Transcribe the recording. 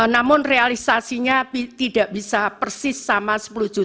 namun realisasinya tidak bisa persis sama sepuluh juta